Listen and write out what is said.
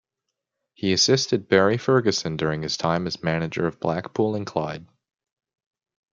He assisted Barry Ferguson during his time as manager of Blackpool and Clyde.